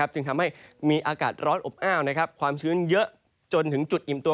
จึงทำให้มีอากาศร้อนอบอ้าวความชื้นเยอะจนถึงจุดอิ่มตัว